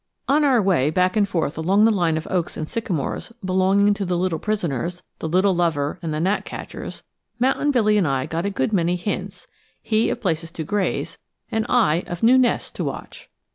ON our way back and forth along the line of oaks and sycamores belonging to the little prisoners, the little lover, and the gnatcatchers, Mountain Billy and I got a good many hints, he of places to graze, and I of new nests to watch.